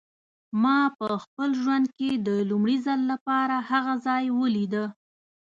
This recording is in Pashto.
ما په خپل ژوند کې د لومړي ځل لپاره هغه ځای لیده.